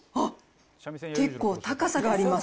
結構高さがあります。